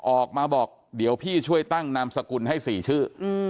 ออกมาบอกเดี๋ยวพี่ช่วยตั้งนามสกุลให้๔ชื่อ